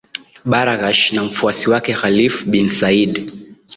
Baraghash na mfuasi wake Khalifa bin said